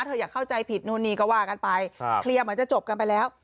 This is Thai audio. อย่าเข้าใจผิดนู่นนี่ก็ว่ากันไปเคลียร์เหมือนจะจบกันไปแล้ว